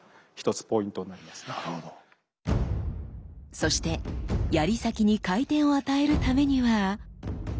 そして槍先に回転を与えるためには。